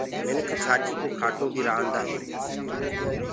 منک ڇآچيٚ ڪو کاٽو بيٚ پڪآندآ هينٚ۔